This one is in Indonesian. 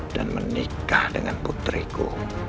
dan menikah dengan putriku